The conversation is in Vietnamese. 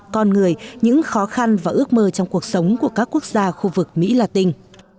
con người những khó khăn và ước mơ trong cuộc sống của các quốc gia khu vực mỹ la tinh